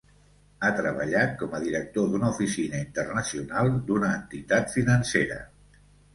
Ha treballat com a director d'una oficina internacional d'una entitat financera.